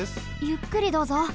ゆっくりどうぞ。